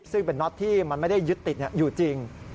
ซึ่งเป็นน็อตที่มันไม่ได้ยึดติดอยู่จริง